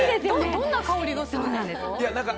どんな香りがするんですか？